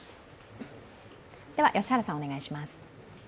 良原さん、お願いします。